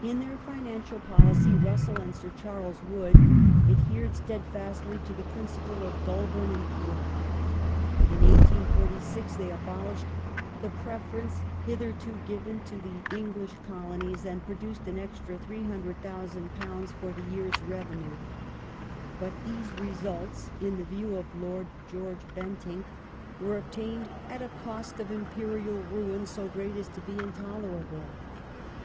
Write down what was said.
Finance In their financial policy Russell and Sir Charles Wood adhered steadfastly to the principles of Goulburn and Peel. In 1846 they abolished the preference hitherto given to the English Colonies and produced an extra £300,000 for the year's revenue ; but these results, in the view of Lord George Bentinck, were obtained "at a cost of ' imperial ' ruin so great as to be intolerable